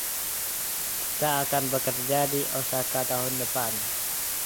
Kita akan bekerja di Osaka tahun depan.